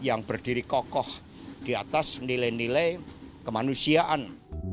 yang berdiri kokoh di atas nilai nilai kemanusiaan